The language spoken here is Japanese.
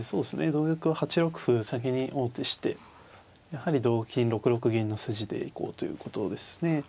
同玉は８六歩先に王手してやはり同金６六銀の筋で行こうということですね。